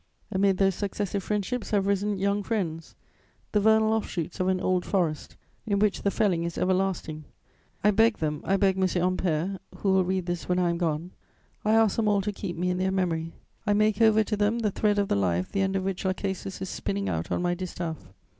Amid those successive friendships have risen young friends, the vernal offshoots of an old forest in which the felling is everlasting. I beg them, I beg M. Ampère, who will read this when I am gone, I ask them all to keep me in their memory: I make over to them the thread of the life the end of which Lachesis is spinning out on my distaff.